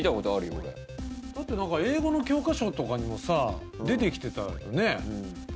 俺だって何か英語の教科書とかにもさあ出てきてたよね？